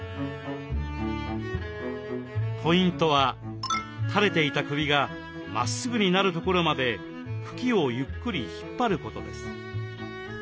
ポイントは垂れていた首がまっすぐになるところまで茎をゆっくり引っ張ることです。